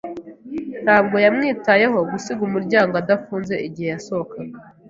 Ntabwo yamwitayeho gusiga umuryango adafunze igihe yasohokaga.